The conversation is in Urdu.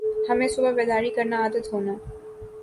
ہمیں صبح بیداری کرنا عادت ہونا